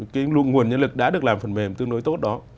cái nguồn nhân lực đã được làm phần mềm tương đối tốt đó